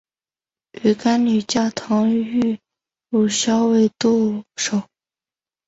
鱼干女嫁唐御侮校尉杜守。